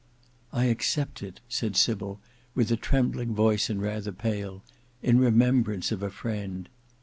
"I accept it," said Sybil with a trembling voice and rather pale, "in remembrance of a friend."